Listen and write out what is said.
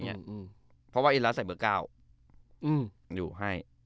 เพราะว่าอินัสใส่เบอร์๙อยู่ให้